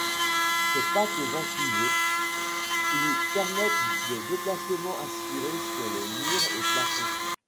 Ses pattes ventousées lui permettent des déplacements assurés sur les murs et plafonds.